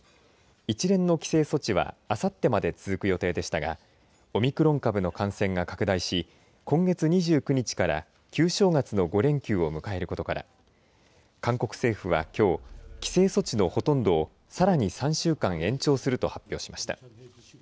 一連の規制措置はあさってまで続く予定でしたがオミクロン株の感染が拡大し今月２９日から旧正月の５連休を迎えることから韓国政府はきょう規制措置のほとんどをさらに３週間延長すると発表しました。